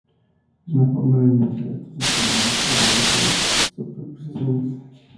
Una forma de minimizar estos inconvenientes es el uso de superposiciones.